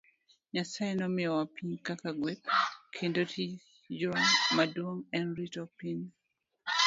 Nyasaye nomiyowa piny kaka gweth, kendo tijwa maduong' en rito piny.